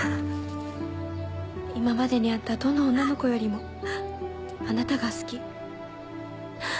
今までに会ったどの女の子よりもあなたが好き。